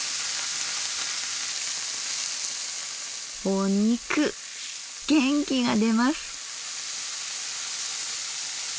お肉元気が出ます！